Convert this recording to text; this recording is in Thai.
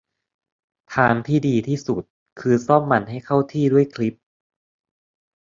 ทางที่ดีที่สุดคือซ่อมมันให้เข้าที่ด้วยคลิป